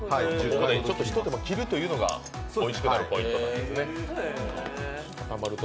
ひと手間、切るというのがおいしくなるポイントなんですね。